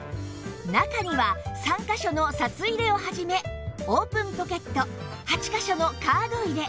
中には３カ所の札入れを始めオープンポケット８カ所のカード入れ